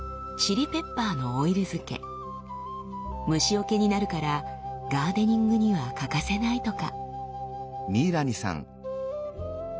虫よけになるからガーデニングには欠かせないとか。